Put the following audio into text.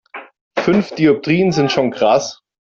Fünf Dioptrien sind schon krass.